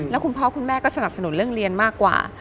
แล้วคุณพ่อคุณแม่ก็สนับสนุนเรื่องเรียนมากกว่า